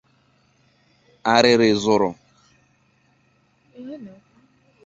Arịrị zụrụ